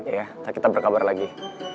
iya nanti kita berkabar lagi